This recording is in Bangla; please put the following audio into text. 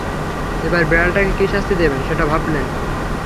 এবার বিড়ালটাকে কী শাস্তি দেবেন, সেটা ভাবলেন।